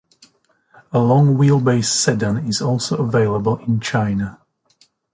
A long wheelbase sedan is also available in China.